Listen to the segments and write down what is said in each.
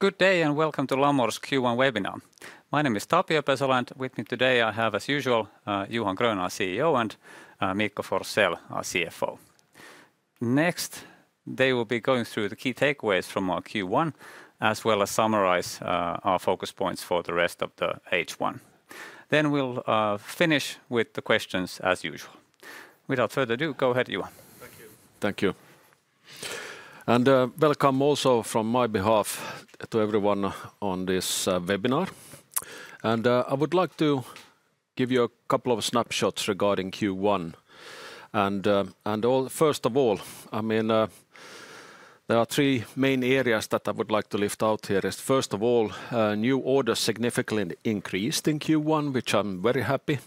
Good day and welcome to Lamor's Q1 webinar. My name is Tapio Pesola, and with me today I have, as usual, Johan Grön, our CEO, and Mikko Forsell, our CFO. Next, they will be going through the key takeaways from our Q1, as well as summarize our focus points for the rest of the H1. We will finish with the questions, as usual. Without further ado, go ahead, Johan. Thank you. Welcome also from my behalf to everyone on this webinar. I would like to give you a couple of snapshots regarding Q1. First of all, I mean, there are three main areas that I would like to lift out here. First of all, new orders significantly increased in Q1, which I am very happy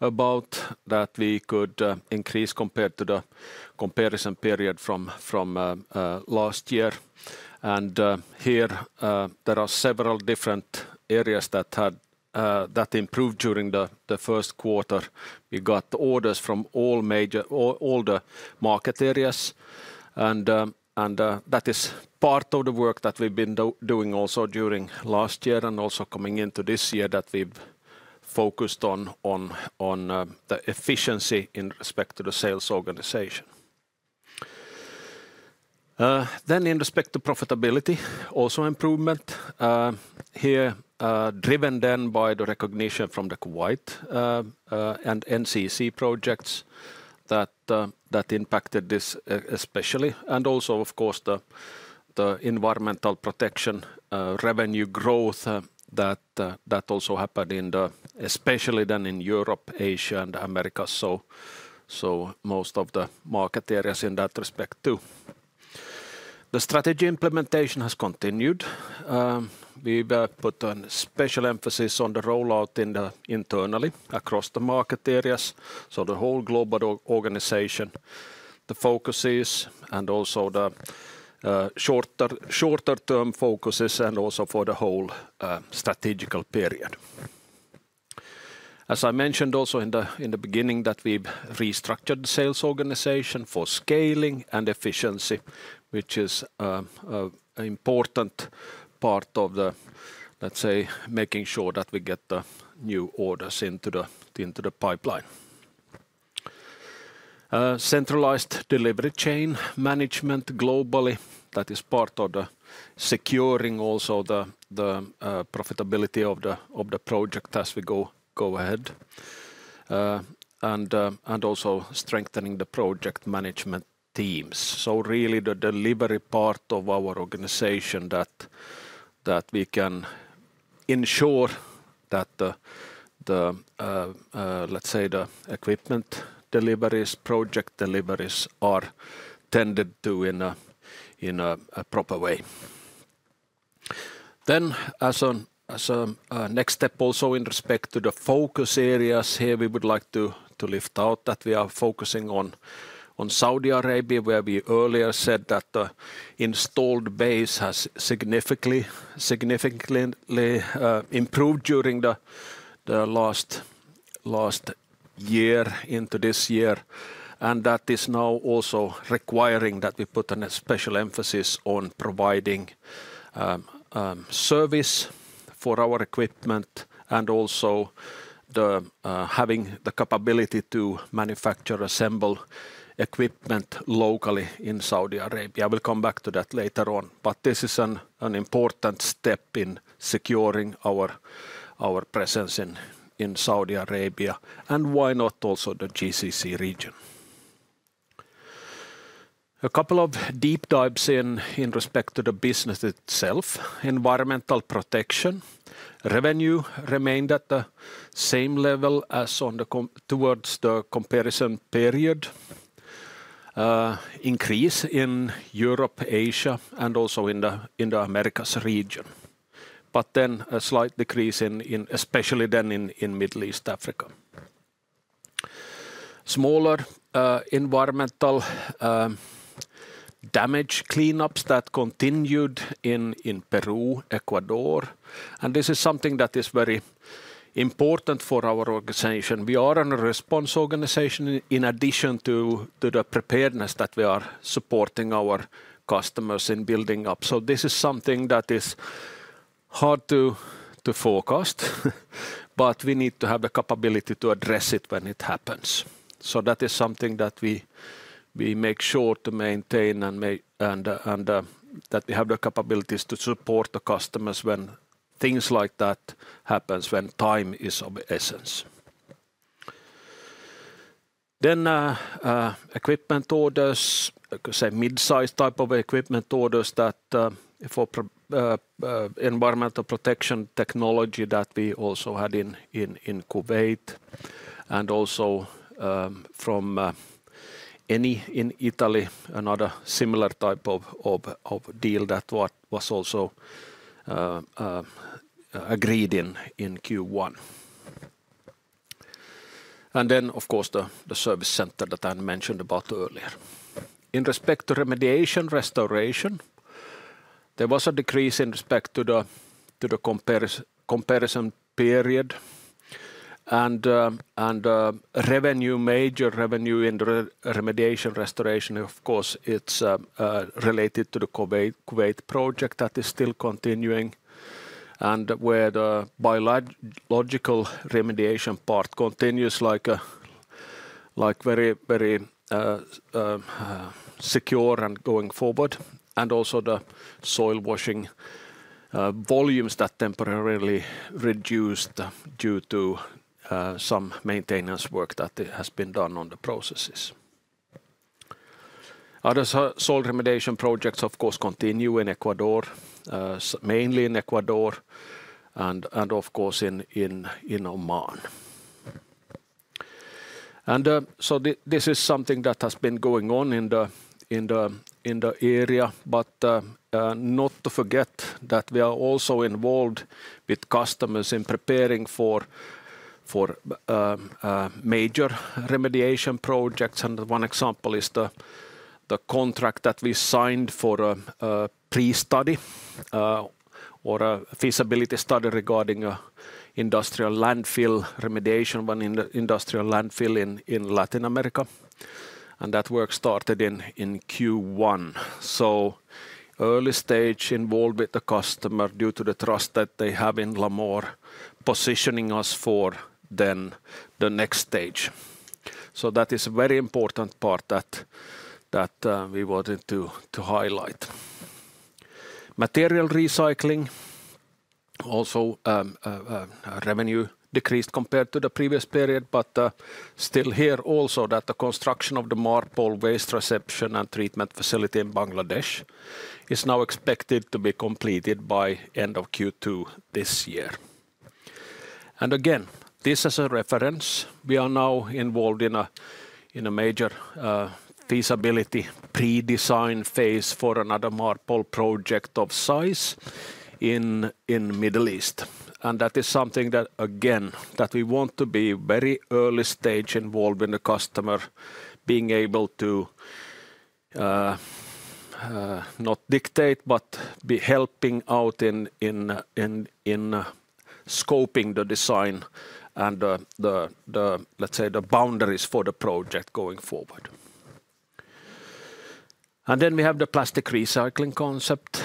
about, that we could increase compared to the comparison period from last year. Here there are several different areas that improved during the first quarter. We got orders from all the market areas. That is part of the work that we have been doing also during last year and also coming into this year that we have focused on the efficiency in respect to the sales organization. In respect to profitability, also improvement. Here, driven then by the recognition from the Kuwait and NCEC projects that impacted this especially. Of course, the environmental protection revenue growth that also happened, especially in Europe, Asia, and America. Most of the market areas in that respect too. The strategy implementation has continued. We put a special emphasis on the rollout internally across the market areas. The whole global organization, the focuses, and also the shorter-term focuses and also for the whole strategical period. As I mentioned in the beginning, we've restructured the sales organization for scaling and efficiency, which is an important part of making sure that we get the new orders into the pipeline. Centralized delivery chain management globally is part of securing also the profitability of the project as we go ahead. Also strengthening the project management teams. Really the delivery part of our organization that we can ensure that the, let's say, the equipment deliveries, project deliveries are tended to in a proper way. Then as a next step also in respect to the focus areas here, we would like to lift out that we are focusing on Saudi Arabia, where we earlier said that the installed base has significantly improved during the last year into this year. That is now also requiring that we put a special emphasis on providing service for our equipment and also having the capability to manufacture, assemble equipment locally in Saudi Arabia. We'll come back to that later on. This is an important step in securing our presence in Saudi Arabia and why not also the GCC region. A couple of deep dives in respect to the business itself. Environmental protection. Revenue remained at the same level as towards the comparison period. Increase in Europe, Asia, and also in the Americas region. Then a slight decrease, especially then in Middle East Africa. Smaller environmental damage cleanups that continued in Peru, Ecuador. And this is something that is very important for our organization. We are a response organization in addition to the preparedness that we are supporting our customers in building up. This is something that is hard to forecast, but we need to have the capability to address it when it happens. That is something that we make sure to maintain and that we have the capabilities to support the customers when things like that happens, when time is of essence. Equipment orders, I could say mid-size type of equipment orders for environmental protection technology that we also had in Kuwait and also from Eni in Italy, another similar type of deal that was also agreed in Q1. Of course, the service center that I mentioned about earlier. In respect to remediation restoration, there was a decrease in respect to the comparison period. Major revenue in the remediation restoration, of course, is related to the Kuwait project that is still continuing and where the biological remediation part continues very secure and going forward. Also, the soil washing volumes temporarily reduced due to some maintenance work that has been done on the processes. Other soil remediation projects, of course, continue in Ecuador, mainly in Ecuador, and in Oman. This is something that has been going on in the area, but not to forget that we are also involved with customers in preparing for major remediation projects. One example is the contract that we signed for a pre-study or a feasibility study regarding industrial landfill remediation, one industrial landfill in Latin America. That work started in Q1. Early stage involved with the customer due to the trust that they have in Lamor, positioning us for the next stage. That is a very important part that we wanted to highlight. Material recycling, also revenue decreased compared to the previous period, but still here also that the construction of the MARPOL waste reception and treatment facility in Bangladesh is now expected to be completed by end of Q2 this year. Again, this is a reference. We are now involved in a major feasibility pre-design phase for another MARPOL project of size in the Middle East. That is something that, again, we want to be very early stage involved with the customer, being able to not dictate, but be helping out in scoping the design and the, let's say, the boundaries for the project going forward. We have the plastic recycling concept.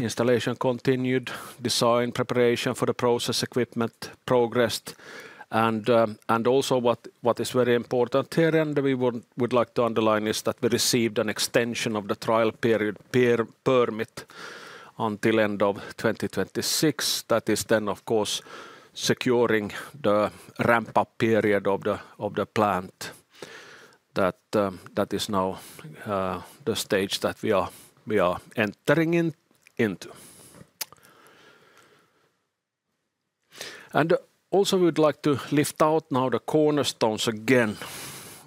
Installation continued, design preparation for the process equipment progressed. Also what is very important here and we would like to underline is that we received an extension of the trial period permit until end of 2026. That is, of course, securing the ramp-up period of the plant. That is now the stage that we are entering into. Also we would like to lift out now the cornerstones again.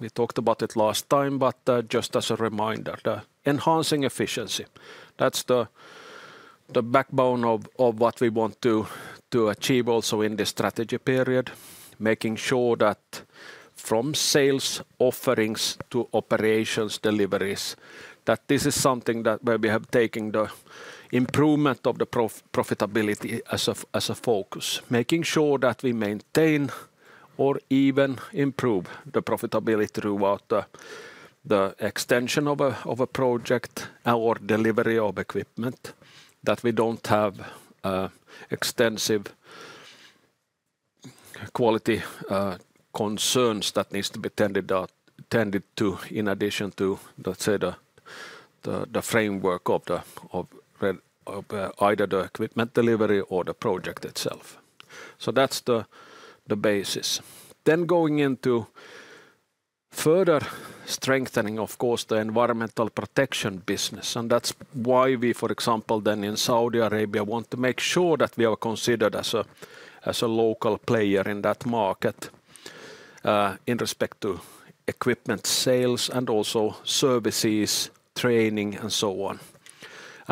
We talked about it last time, but just as a reminder, the enhancing efficiency. That's the backbone of what we want to achieve also in this strategy period, making sure that from sales offerings to operations deliveries, that this is something where we have taken the improvement of the profitability as a focus. Making sure that we maintain or even improve the profitability throughout the extension of a project or delivery of equipment, that we don't have extensive quality concerns that need to be tended to in addition to the framework of either the equipment delivery or the project itself. That's the basis. Going into further strengthening, of course, the environmental protection business. That is why we, for example, in Saudi Arabia want to make sure that we are considered as a local player in that market in respect to equipment sales and also services, training, and so on.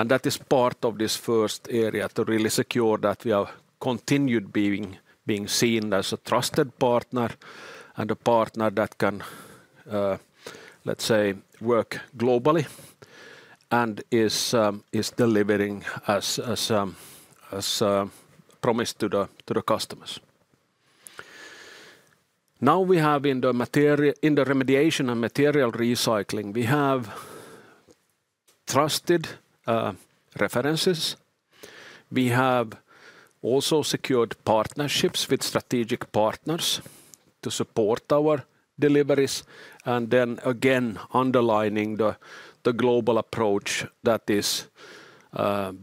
That is part of this first area to really secure that we are continued being seen as a trusted partner and a partner that can, let's say, work globally and is delivering as promised to the customers. Now we have in the remediation and material recycling, we have trusted references. We have also secured partnerships with strategic partners to support our deliveries. Again, underlining the global approach that is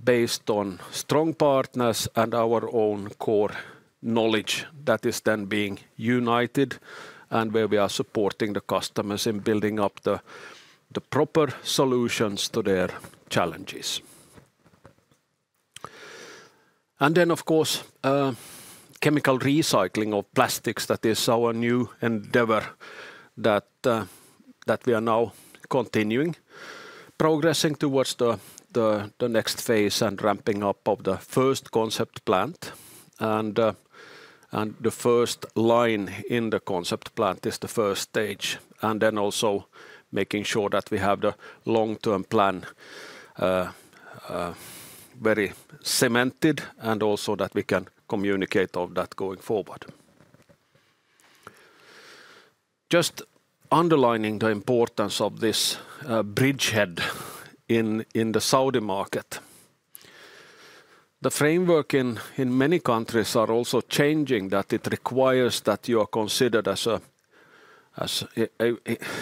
based on strong partners and our own core knowledge that is then being united and where we are supporting the customers in building up the proper solutions to their challenges. Of course, chemical recycling of plastics is our new endeavor that we are now continuing, progressing towards the next phase and ramping up of the first concept plant. The first line in the concept plant is the first stage. Also, making sure that we have the long-term plan very cemented and that we can communicate about that going forward. This underlines the importance of this bridgehead in the Saudi market. The framework in many countries is also changing so that it requires you are considered as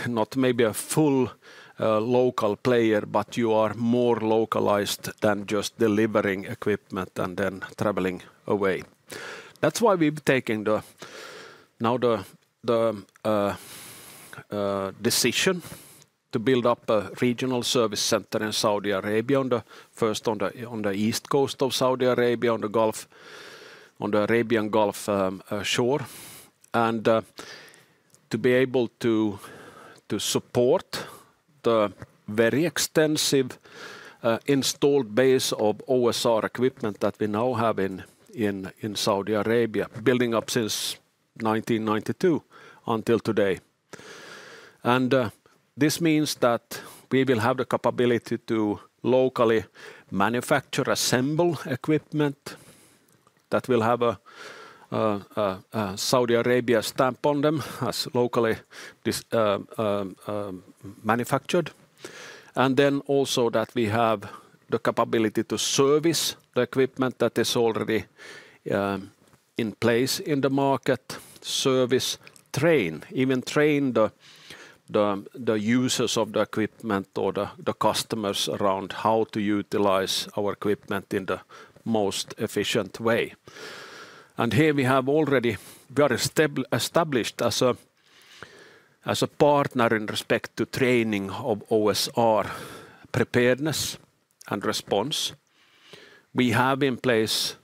not maybe a full local player, but you are more localized than just delivering equipment and then traveling away. That is why we have now taken the decision to build up a regional service center in Saudi Arabia, first on the east coast of Saudi Arabia, on the Arabian Gulf shore. To be able to support the very extensive installed base of OSR equipment that we now have in Saudi Arabia, building up since 1992 until today, this means that we will have the capability to locally manufacture, assemble equipment that will have a Saudi Arabia stamp on them as locally manufactured. We also have the capability to service the equipment that is already in place in the market, service, train, even train the users of the equipment or the customers around how to utilize our equipment in the most efficient way. Here we have already got established as a partner in respect to training of OSR preparedness and response. We have in place,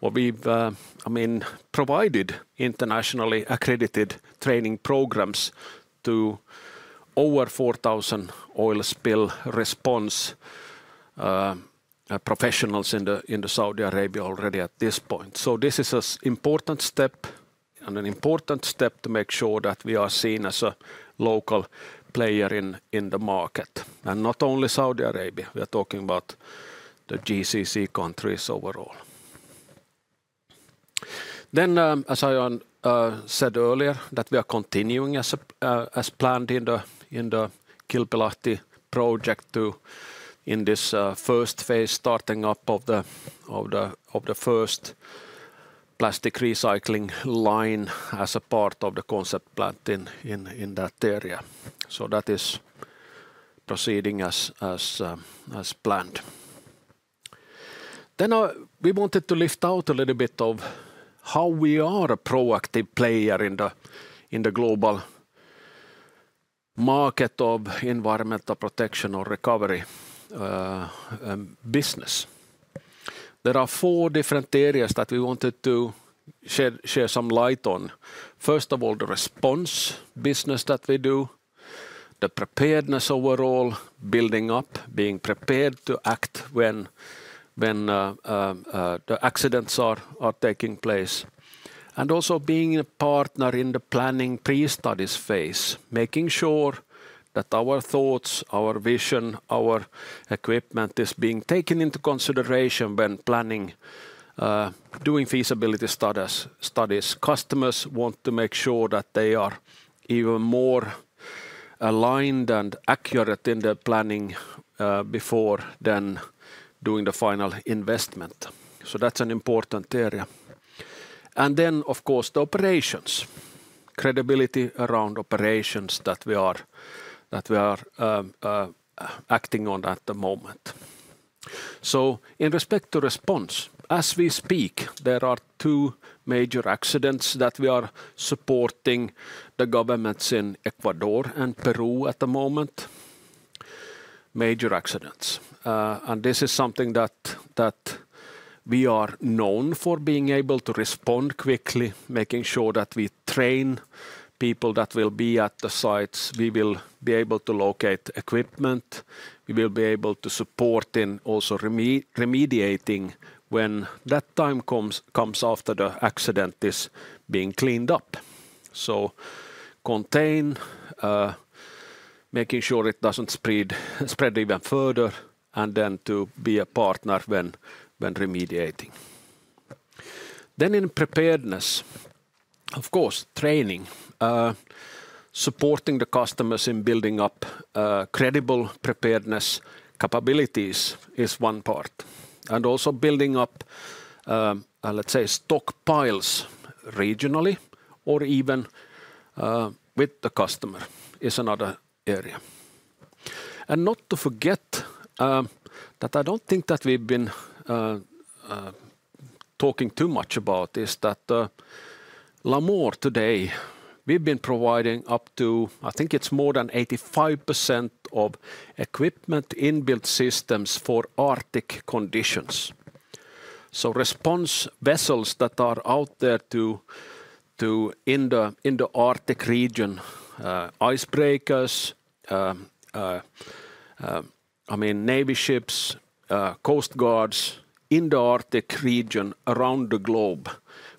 or we've, I mean, provided internationally accredited training programs to over 4,000 oil spill response professionals in Saudi Arabia already at this point. This is an important step and an important step to make sure that we are seen as a local player in the market. Not only Saudi Arabia, we are talking about the GCC countries overall. As I said earlier, we are continuing as planned in the Kilpilahti project in this first phase, starting up of the first plastic recycling line as a part of the concept plant in that area. That is proceeding as planned. We wanted to lift out a little bit of how we are a proactive player in the global market of environmental protection or recovery business. There are four different areas that we wanted to share some light on. First of all, the response business that we do, the preparedness overall, building up, being prepared to act when the accidents are taking place. Also being a partner in the planning pre-studies phase, making sure that our thoughts, our vision, our equipment is being taken into consideration when planning, doing feasibility studies. Customers want to make sure that they are even more aligned and accurate in the planning before then doing the final investment. That is an important area. Of course, the operations, credibility around operations that we are acting on at the moment. In respect to response, as we speak, there are two major accidents that we are supporting the governments in Ecuador and Peru at the moment. Major accidents. This is something that we are known for, being able to respond quickly, making sure that we train people that will be at the sites. We will be able to locate equipment. We will be able to support in also remediating when that time comes after the accident is being cleaned up. Contain, making sure it doesn't spread even further, and then to be a partner when remediating. In preparedness, of course, training, supporting the customers in building up credible preparedness capabilities is one part. Also building up, let's say, stockpiles regionally or even with the customer is another area. Not to forget that I don't think that we've been talking too much about is that Lamor today, we've been providing up to, I think it's more than 85% of equipment inbuilt systems for Arctic conditions. Response vessels that are out there in the Arctic region, icebreakers, I mean, navy ships, coast guards in the Arctic region around the globe.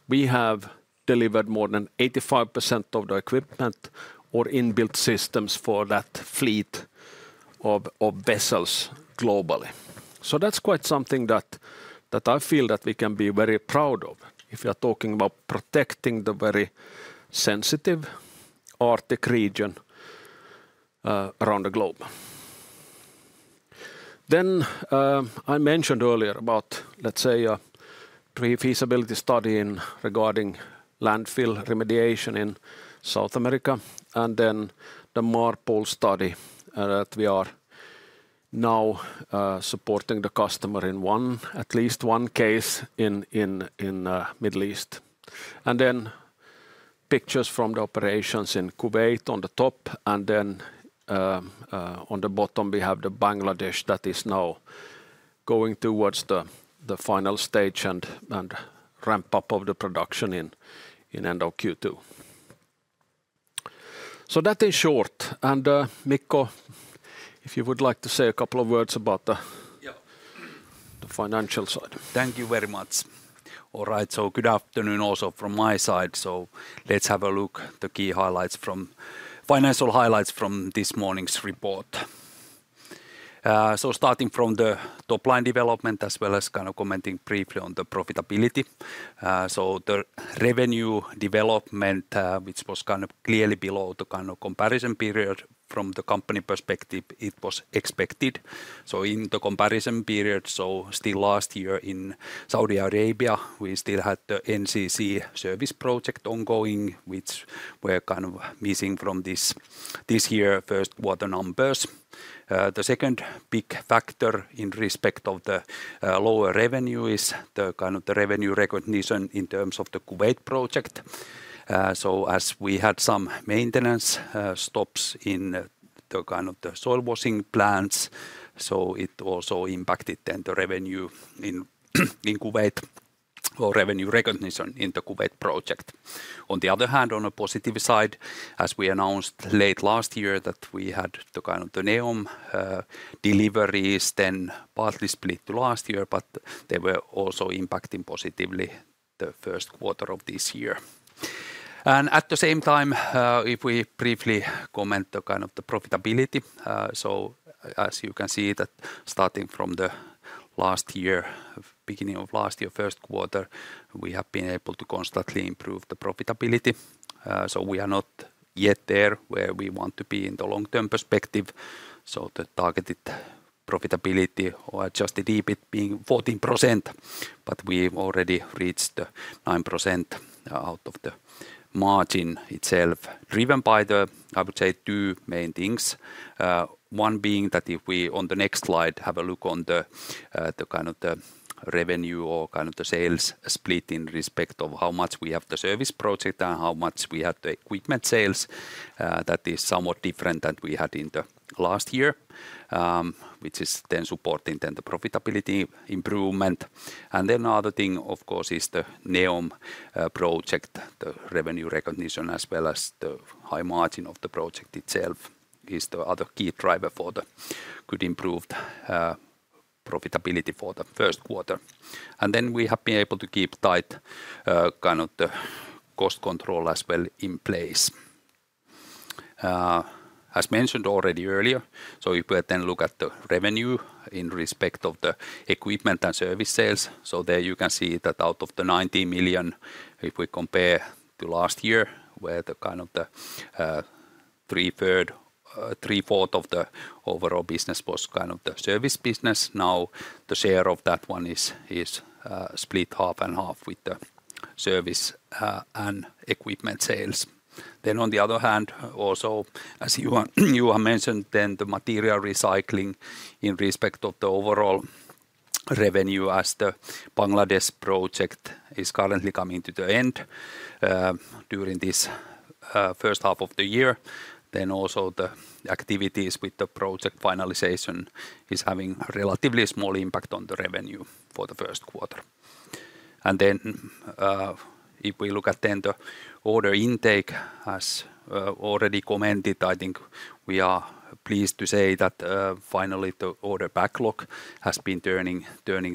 We have delivered more than 85% of the equipment or inbuilt systems for that fleet of vessels globally. That is quite something that I feel that we can be very proud of if we are talking about protecting the very sensitive Arctic region around the globe. I mentioned earlier about, let's say, a feasibility study regarding landfill remediation in South America. The MARPOL study that we are now supporting the customer in at least one case in the Middle East. Pictures from the operations in Kuwait are on the top. On the bottom, we have Bangladesh that is now going towards the final stage and ramp-up of the production in end of Q2. That in short. Mikko, if you would like to say a couple of words about the financial side. Thank you very much. All right, so good afternoon also from my side. Let's have a look at the key highlights from financial highlights from this morning's report. Starting from the top-line development as well as kind of commenting briefly on the profitability. The revenue development, which was kind of clearly below the kind of comparison period from the company perspective, it was expected. In the comparison period, still last year in Saudi Arabia, we still had the NCC service project ongoing, which we are kind of missing from this year's first quarter numbers. The second big factor in respect of the lower revenue is the kind of the revenue recognition in terms of the Kuwait project. As we had some maintenance stops in the kind of the soil washing plants, it also impacted then the revenue in Kuwait or revenue recognition in the Kuwait project. On the other hand, on a positive side, as we announced late last year that we had the kind of the NEOM deliveries then partly split to last year, but they were also impacting positively the first quarter of this year. At the same time, if we briefly comment on the kind of the profitability. As you can see, starting from last year, beginning of last year, first quarter, we have been able to constantly improve the profitability. We are not yet there where we want to be in the long-term perspective. The targeted profitability or adjusted EBIT being 14%, but we've already reached 9% out of the margin itself driven by the, I would say, two main things. One being that if we on the next slide have a look on the kind of the revenue or kind of the sales split in respect of how much we have the service project and how much we have the equipment sales, that is somewhat different than we had in the last year, which is then supporting the profitability improvement. The other thing, of course, is the NEOM project, the revenue recognition as well as the high margin of the project itself is the other key driver for the good improved profitability for the first quarter. We have been able to keep tight kind of the cost control as well in place. As mentioned already earlier, if we then look at the revenue in respect of the equipment and service sales, you can see that out of the 90 million, if we compare to last year where kind of 3/4 of the overall business was kind of the service business, now the share of that one is split 1/2 and 1/2 with the service and equipment sales. On the other hand, also as you have mentioned, the material recycling in respect of the overall revenue as the Bangladesh project is currently coming to the end during this first half of the year, also the activities with the project finalization are having a relatively small impact on the revenue for the first quarter. If we look at the order intake, as already commented, I think we are pleased to say that finally the order backlog has been turning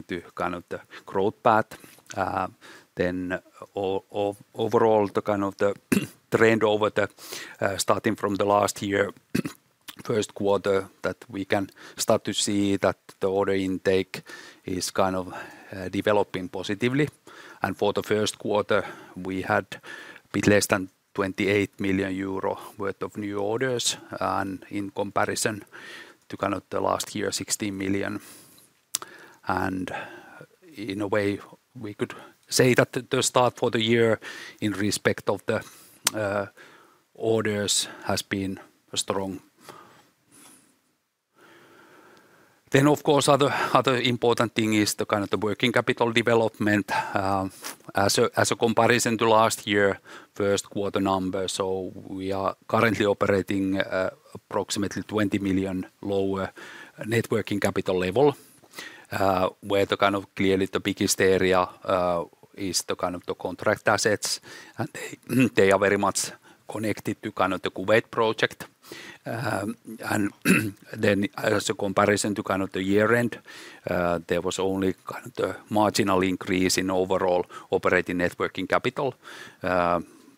to kind of the growth path. Overall, the kind of trend starting from last year, first quarter, we can start to see that the order intake is kind of developing positively. For the first quarter, we had a bit less than 28 million euro worth of new orders and in comparison to last year, 16 million. In a way, we could say that the start for the year in respect of the orders has been strong. Of course, another important thing is the kind of working capital development as a comparison to last year, first quarter numbers. We are currently operating at approximately 20 million lower net working capital level, where clearly the biggest area is the contract assets. They are very much connected to the Kuwait project. As a comparison to the year-end, there was only a marginal increase in overall operating net working capital.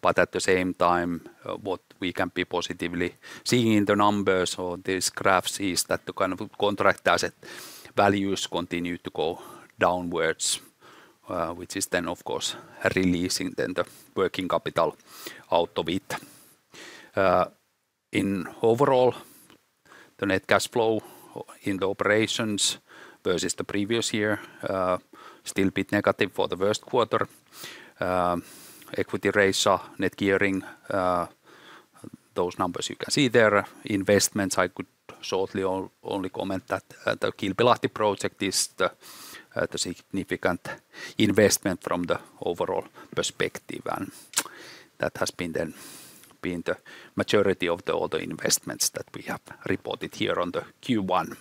At the same time, what we can be positively seeing in the numbers or these graphs is that the contract asset values continue to go downwards, which is, of course, releasing the working capital out of it. Overall, the net cash flow in the operations versus the previous year is still a bit negative for the first quarter. Equity raise, net gearing, those numbers you can see there. Investments, I could shortly only comment that the Kilpilahti project is the significant investment from the overall perspective. That has been then the majority of the other investments that we have reported here on the Q1.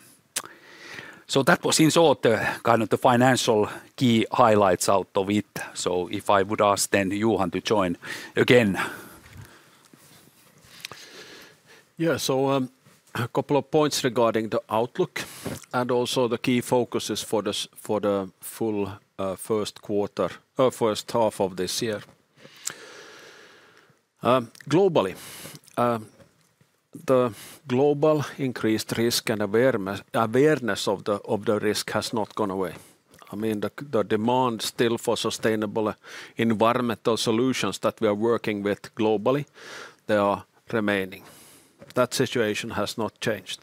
That was in short the kind of the financial key highlights out of it. If I would ask then Johan to join again. Yeah, a couple of points regarding the outlook and also the key focuses for the full first quarter, first 1/2 of this year. Globally, the global increased risk and awareness of the risk has not gone away. I mean, the demand still for sustainable environmental solutions that we are working with globally, they are remaining. That situation has not changed.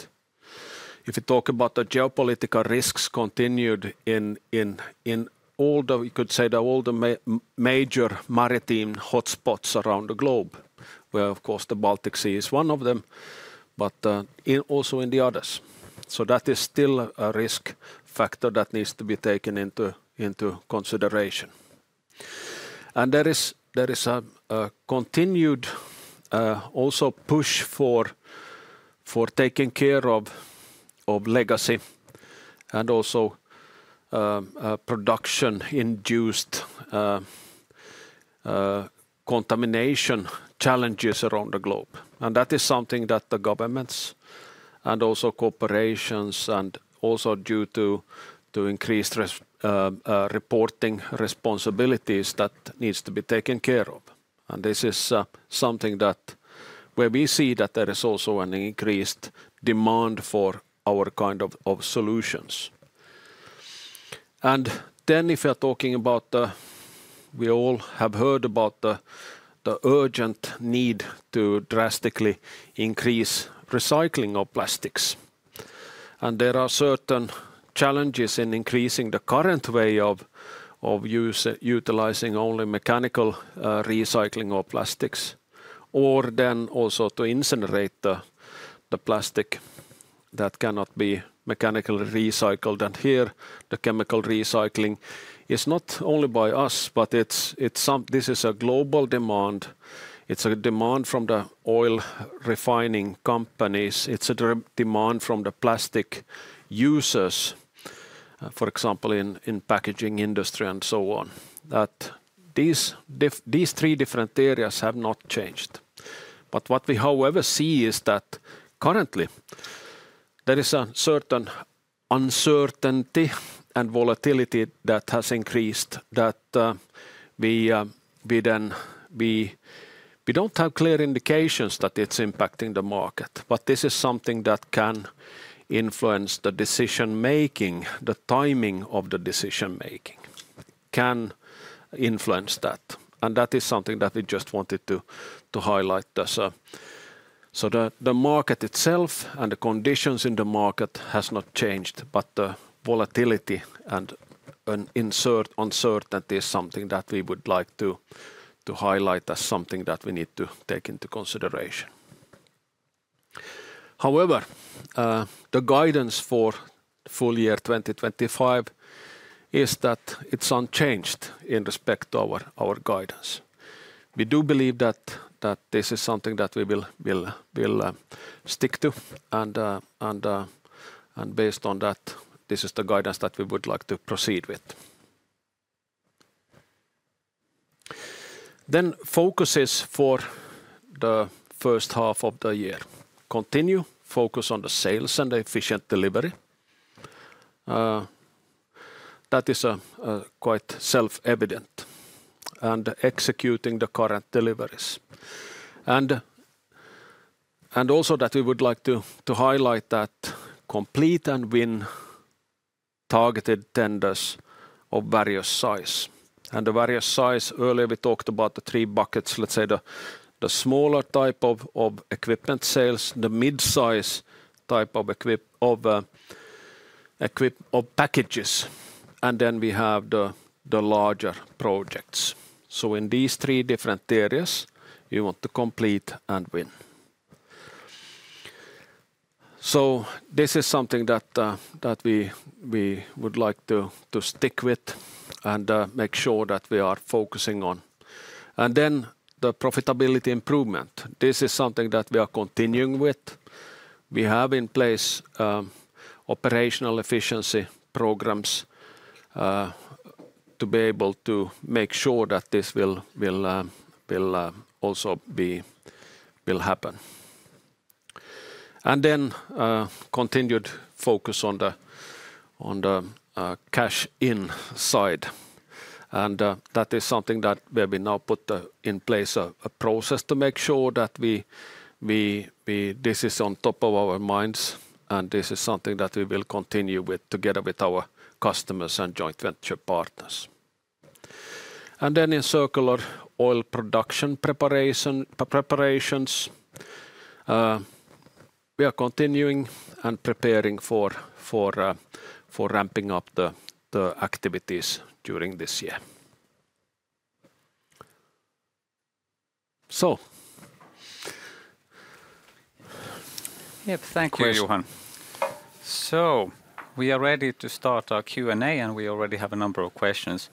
If we talk about the geopolitical risks continued in all the, we could say the older major maritime hotspots around the globe, where of course the Baltic Sea is one of them, but also in the others. That is still a risk factor that needs to be taken into consideration. There is a continued also push for taking care of legacy and also production-induced contamination challenges around the globe. That is something that the governments and also corporations and also due to increased reporting responsibilities that needs to be taken care of. This is something that where we see that there is also an increased demand for our kind of solutions. If you're talking about the, we all have heard about the urgent need to drastically increase recycling of plastics. There are certain challenges in increasing the current way of utilizing only mechanical recycling of plastics or also to incinerate the plastic that cannot be mechanically recycled. Here, chemical recycling is not only by us, but this is a global demand. It is a demand from the oil refining companies. It is a demand from the plastic users, for example, in the packaging industry and so on. These three different areas have not changed. However, what we see is that currently there is a certain uncertainty and volatility that has increased. We do not have clear indications that it is impacting the market. This is something that can influence the decision-making, the timing of the decision-making can influence that. That is something that we just wanted to highlight. The market itself and the conditions in the market have not changed, but the volatility and uncertainty is something that we would like to highlight as something that we need to take into consideration. However, the guidance for full year 2025 is that it's unchanged in respect to our guidance. We do believe that this is something that we will stick to. Based on that, this is the guidance that we would like to proceed with. Focuses for the first half of the year continue focus on the sales and the efficient delivery. That is quite self-evident. Executing the current deliveries. Also, we would like to highlight that complete and win targeted tenders of various size. The various size, earlier we talked about the three buckets, let's say the smaller type of equipment sales, the mid-size type of packages, and then we have the larger projects. In these three different areas, you want to complete and win. This is something that we would like to stick with and make sure that we are focusing on. The profitability improvement, this is something that we are continuing with. We have in place operational efficiency programs to be able to make sure that this will also happen. Continued focus on the cash-in side, that is something that we have now put in place a process to make sure that this is on top of our minds and this is something that we will continue with together with our customers and joint venture partners. In circular oil production preparations, we are continuing and preparing for ramping up the activities during this year. Yes, thank you. Thank you, Johan. We are ready to start our Q&A and we already have a number of questions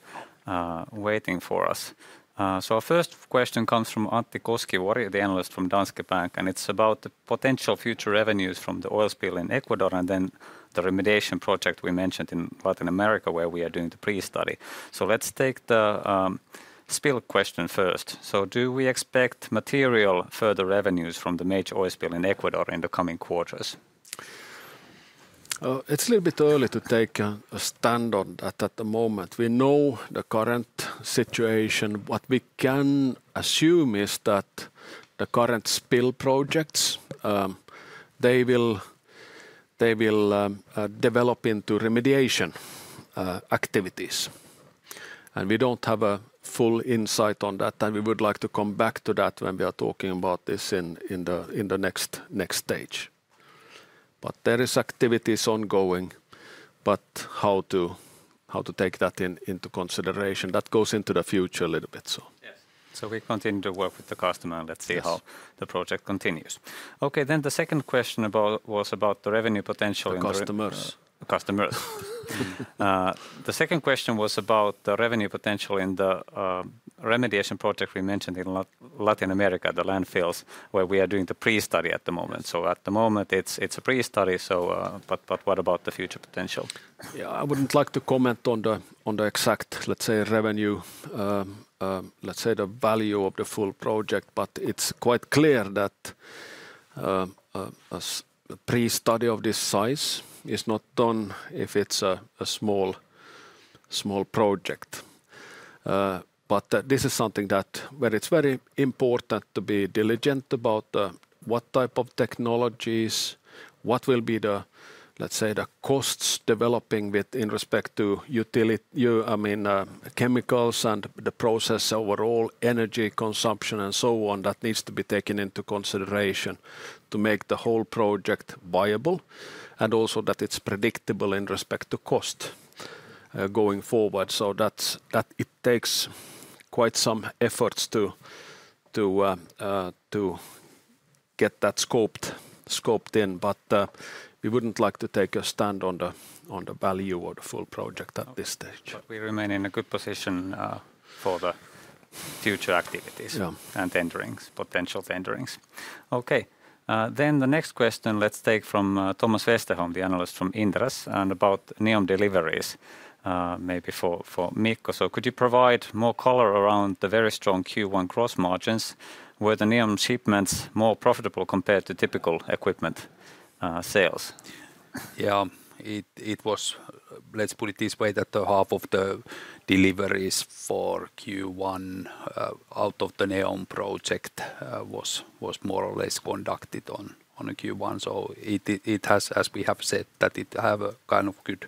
waiting for us. Our first question comes from Antti Koskivuori, the analyst from Danske Bank, and it's about the potential future revenues from the oil spill in Ecuador and then the remediation project we mentioned in Latin America where we are doing the pre-study. Let's take the spill question first. Do we expect material further revenues from the major oil spill in Ecuador in the coming quarters? It's a little bit early to take a stand at the moment. We know the current situation. What we can assume is that the current spill projects, they will develop into remediation activities. We do not have a full insight on that and we would like to come back to that when we are talking about this in the next stage. There are activities ongoing, but how to take that into consideration goes into the future a little bit. We continue to work with the customer and let's see how the project continues. The second question was about the revenue potential in the customers. The second question was about the revenue potential in the remediation project we mentioned in Latin America, the landfills where we are doing the pre-study at the moment. At the moment it is a pre-study, but what about the future potential? Yeah, I wouldn't like to comment on the exact, let's say, revenue, let's say the value of the full project, but it's quite clear that a pre-study of this size is not done if it's a small project. This is something where it's very important to be diligent about what type of technologies, what will be the, let's say, the costs developing with respect to, I mean, chemicals and the process overall, energy consumption and so on that needs to be taken into consideration to make the whole project viable and also that it's predictable in respect to cost going forward. It takes quite some efforts to get that scoped in, but we wouldn't like to take a stand on the value of the full project at this stage. We remain in a good position for the future activities and potential tenderings. Okay, then the next question let's take from Thomas Westerholm, the analyst from Inderes, and about NEOM deliveries maybe for Mikko. Could you provide more color around the very strong Q1 gross margins? Were the NEOM shipments more profitable compared to typical equipment sales? Yeah, it was, let's put it this way, that half of the deliveries for Q1 out of the NEOM project was more or less conducted on Q1. It has, as we have said, a kind of good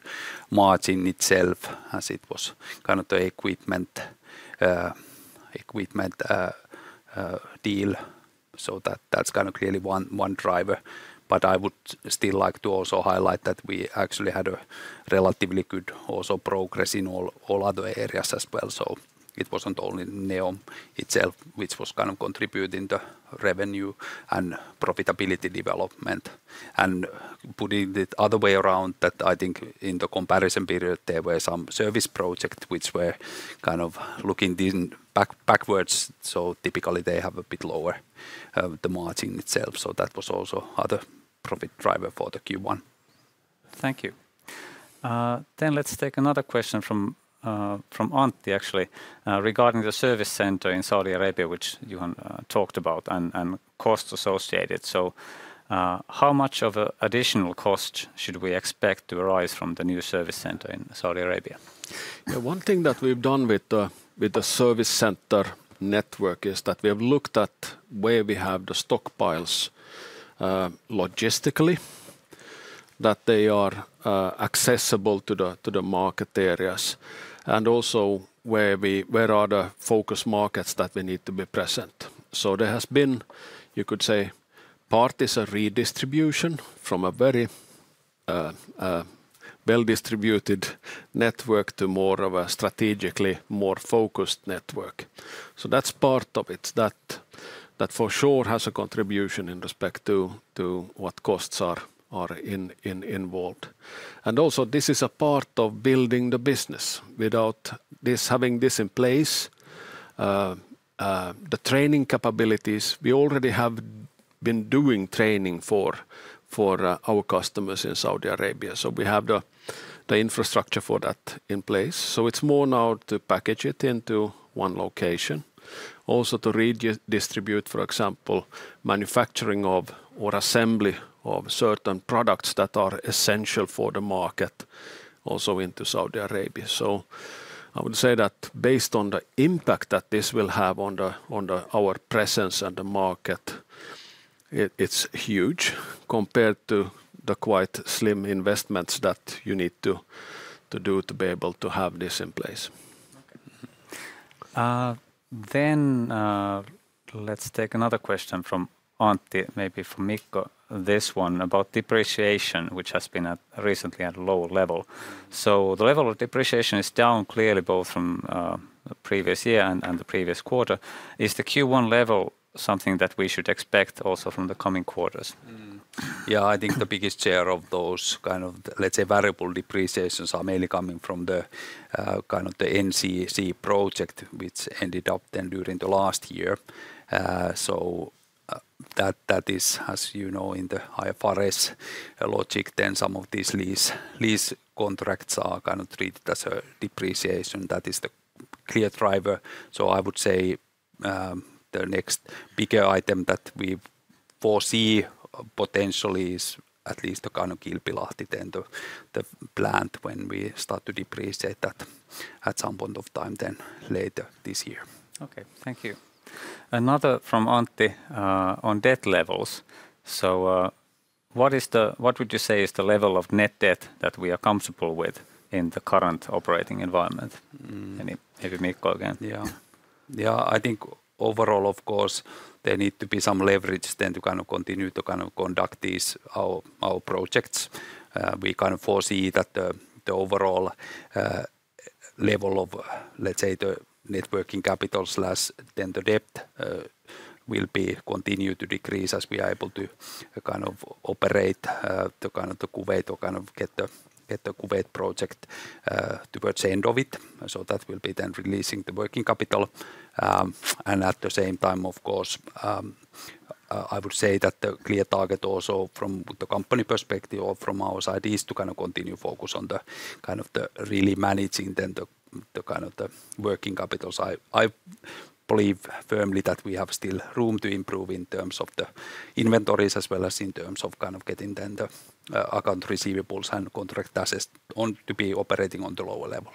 margin itself as it was kind of the equipment deal. That's kind of really one driver. I would still like to also highlight that we actually had a relatively good also progress in all other areas as well. It wasn't only NEOM itself, which was kind of contributing to revenue and profitability development. Putting it the other way around, I think in the comparison period there were some service projects which were kind of looking backwards. Typically they have a bit lower margin itself. That was also another profit driver for the Q1. Thank you. Let's take another question from Antti actually regarding the service center in Saudi Arabia, which Johan talked about and cost associated. How much of an additional cost should we expect to arise from the new service center in Saudi Arabia? One thing that we've done with the service center network is that we have looked at where we have the stockpiles logistically, that they are accessible to the market areas and also where are the focus markets that we need to be present. There has been, you could say, partisan redistribution from a very well-distributed network to more of a strategically more focused network. That is part of it that for sure has a contribution in respect to what costs are involved. Also, this is a part of building the business. Without having this in place, the training capabilities, we already have been doing training for our customers in Saudi Arabia. We have the infrastructure for that in place. It is more now to package it into one location. Also, to redistribute, for example, manufacturing or assembly of certain products that are essential for the market also into Saudi Arabia. I would say that based on the impact that this will have on our presence on the market, it's huge compared to the quite slim investments that you need to do to be able to have this in place. Let's take another question from Antti, maybe from Mikko. This one about depreciation, which has been recently at a low level. The level of depreciation is down clearly both from the previous year and the previous quarter. Is the Q1 level something that we should expect also from the coming quarters? Yeah, I think the biggest share of those kind of, let's say, variable depreciations are mainly coming from the kind of the NCEC project, which ended up then during the last year. That is, as you know, in the IFRS logic, then some of these lease contracts are kind of treated as a depreciation. That is the clear driver. I would say the next bigger item that we foresee potentially is at least the Kilpilahti, then the plant when we start to depreciate that at some point of time later this year. Okay, thank you. Another from Antti on debt levels. What would you say is the level of net debt that we are comfortable with in the current operating environment? Maybe Mikko again. Yeah, I think overall, of course, there needs to be some leverage to kind of continue to conduct these our projects. We foresee that the overall level of, let's say, the networking capital slash the debt will continue to decrease as we are able to operate to get the Kuwait project towards the end of it. That will be then releasing the working capital. At the same time, of course, I would say that the clear target also from the company perspective or from our side is to kind of continue focus on the kind of the really managing then the kind of the working capitals. I believe firmly that we have still room to improve in terms of the inventories as well as in terms of kind of getting then the account receivables and contract assets on to be operating on the lower level.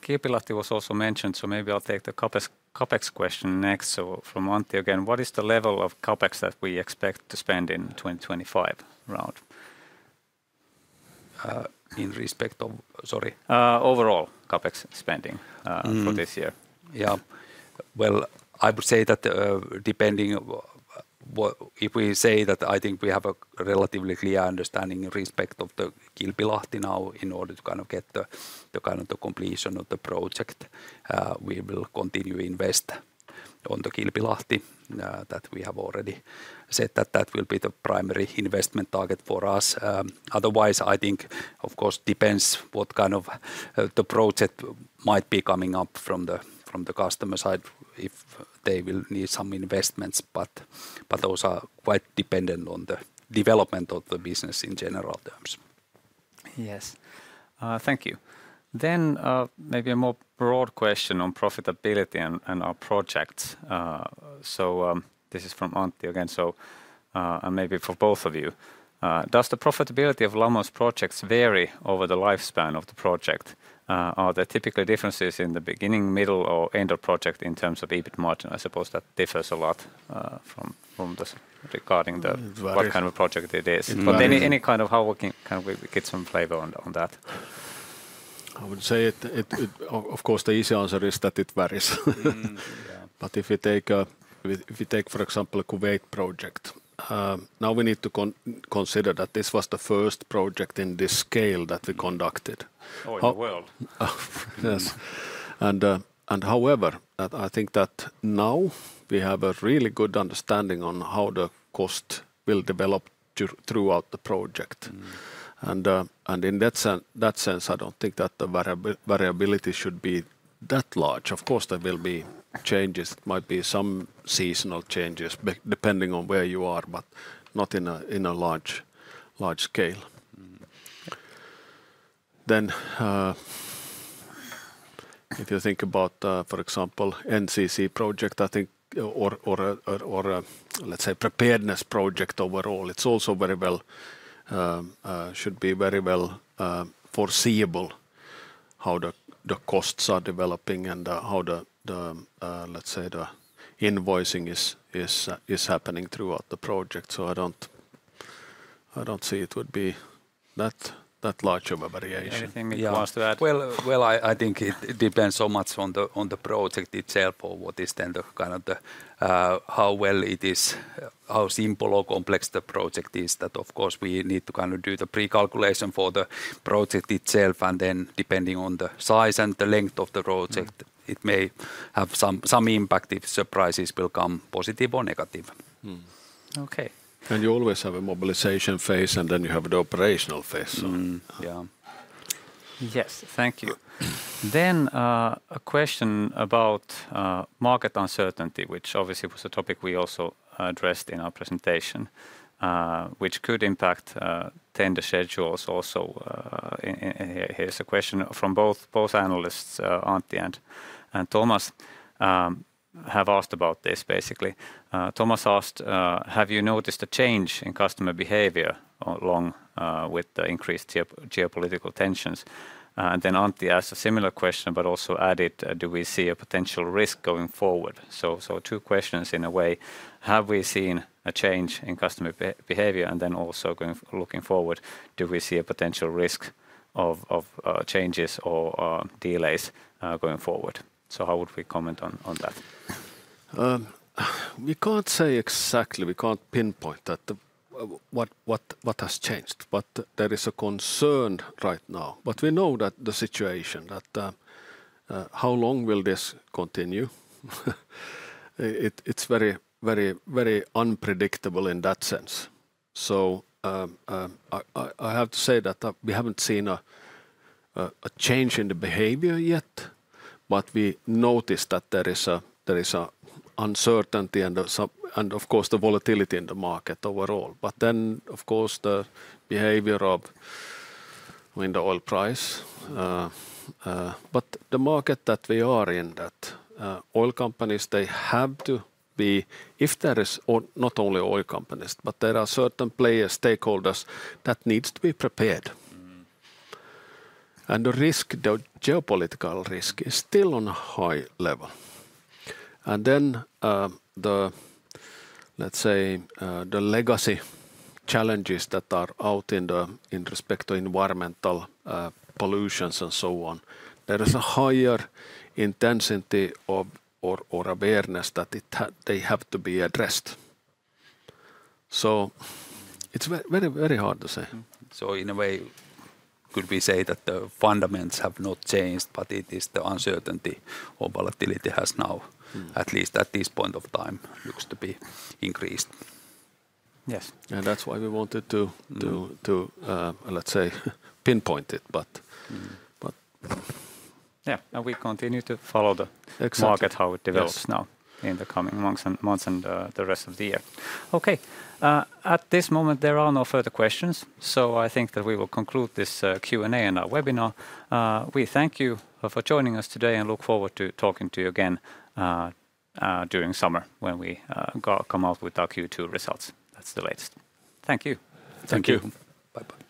Kilpilahti was also mentioned, so maybe I'll take the CapEx question next. From Antti again, what is the level of CapEx that we expect to spend in 2025 round? In respect of, sorry. Overall CapEx spending for this year. Yeah, I would say that depending if we say that I think we have a relatively clear understanding in respect of the Kilpilahti now in order to kind of get the kind of the completion of the project, we will continue to invest on the Kilpilahti that we have already said that that will be the primary investment target for us. Otherwise, I think, of course, depends what kind of the project might be coming up from the customer side if they will need some investments, but those are quite dependent on the development of the business in general terms. Yes, thank you. Maybe a more broad question on profitability and our projects. This is from Antti again, and maybe for both of you. Does the profitability of Lamor's projects vary over the lifespan of the project? Are there typically differences in the beginning, middle, or end of project in terms of EBIT margin? I suppose that differs a lot from regarding what kind of project it is. But any kind of how we can get some flavor on that. I would say, of course, the easy answer is that it varies. If we take, for example, a Kuwait project, now we need to consider that this was the first project in this scale that we conducted. Oh, in the world. Yes. However, I think that now we have a really good understanding on how the cost will develop throughout the project. In that sense, I do not think that the variability should be that large. Of course, there will be changes. It might be some seasonal changes depending on where you are, but not in a large scale. If you think about, for example, NCEC project, I think, or let's say preparedness project overall, it's also very well, should be very well foreseeable how the costs are developing and how the, let's say, the invoicing is happening throughout the project. I don't see it would be that large of a variation. Anything Mikko wants to add? I think it depends so much on the project itself or what is then the kind of the how well it is, how simple or complex the project is that of course we need to kind of do the pre-calculation for the project itself and then depending on the size and the length of the project, it may have some impact if surprises will come positive or negative. You always have a mobilization phase and then you have the operational phase. Yeah. Yes, thank you. A question about market uncertainty, which obviously was a topic we also addressed in our presentation, which could impact tender schedules also. Here's a question from both analysts, Antti and Thomas, have asked about this basically. Thomas asked, have you noticed a change in customer behavior along with the increased geopolitical tensions? Antti asked a similar question, but also added, do we see a potential risk going forward? Two questions in a way. Have we seen a change in customer behavior? Also, looking forward, do we see a potential risk of changes or delays going forward? How would we comment on that? We can't say exactly, we can't pinpoint what has changed, but there is a concern right now. We know that the situation, how long will this continue, it's very, very, very unpredictable in that sense. I have to say that we haven't seen a change in the behavior yet, but we noticed that there is an uncertainty and of course the volatility in the market overall. Of course the behavior of wind oil price. The market that we are in, that oil companies, they have to be, if there is not only oil companies, but there are certain players, stakeholders that need to be prepared. The risk, the geopolitical risk is still on a high level. The, let's say, the legacy challenges that are out in respect to environmental pollutions and so on, there is a higher intensity or awareness that they have to be addressed. It is very, very hard to say. In a way, could we say that the fundaments have not changed, but it is the uncertainty or volatility has now, at least at this point of time, looks to be increased. Yes. That's why we wanted to, let's say, pinpoint it, but. Yeah, and we continue to follow the market how it develops now in the coming months and the rest of the year. Okay. At this moment, there are no further questions. I think that we will conclude this Q&A and our webinar. We thank you for joining us today and look forward to talking to you again during summer when we come out with our Q2 results. That's the latest. Thank you. Thank you. Bye-bye.